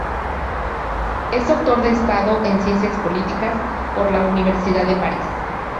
Es doctor de Estado en Ciencias Políticas por la Universidad de París.